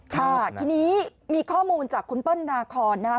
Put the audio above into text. ค่ะทีนี้มีข้อมูลจากคุณเปิ้ลนาคอนนะครับ